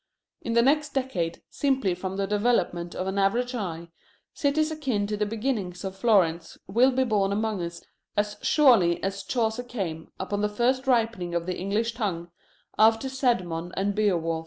In the next decade, simply from the development of the average eye, cities akin to the beginnings of Florence will be born among us as surely as Chaucer came, upon the first ripening of the English tongue, after Cædmon and Beowulf.